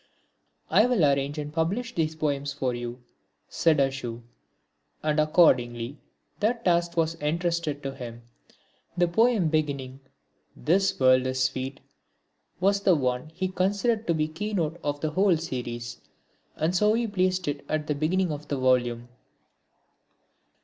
"I will arrange and publish these poems for you," said Ashu, and accordingly that task was entrusted to him. The poem beginning This world is sweet was the one he considered to be the keynote of the whole series and so he placed it at the beginning of the volume.